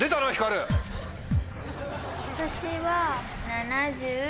私は。